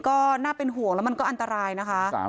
ก็น่าเป็นห่วงแล้วมันก็อันตรายนะคะ